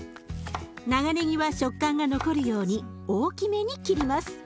長ねぎは食感が残るように大きめに切ります。